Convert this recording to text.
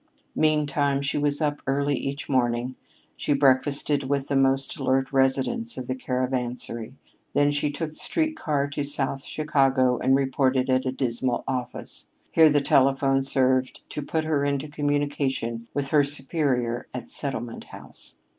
Meantime, she was up early each morning; she breakfasted with the most alert residents of the Caravansary; then she took the street car to South Chicago and reported at a dismal office. Here the telephone served to put her into communication with her superior at Settlement House.